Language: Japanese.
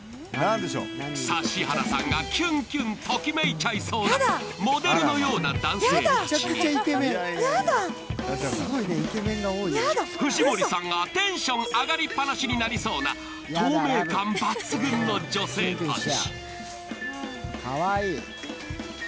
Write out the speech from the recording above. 指原さんがキュンキュンときめいちゃいそうなモデルのような男性たちに藤森さんがテンション上がりっぱなしになりそうな透明感抜群の女性たち。